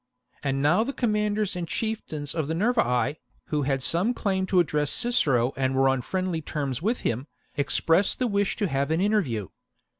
And now the commanders and chieftains ckerore of the Nervii, who had some claim to address accept terms Cicero and were on friendly terms with him, a'rXd" expressed the wish to have an interview.